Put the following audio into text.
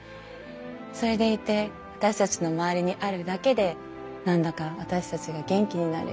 それでいて私たちの周りにあるだけで何だか私たちが元気になれる。